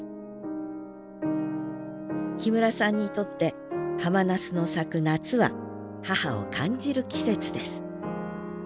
木村さんにとってハマナスの咲く夏は母を感じる季節です